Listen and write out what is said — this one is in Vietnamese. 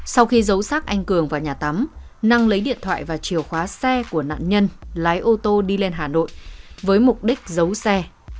sau khi giấu xác anh cường vào nhà tắm năng lấy điện thoại và chiều khóa xe của nạn nhân lái ô tô đi lên hà nội với mục đích giấu xe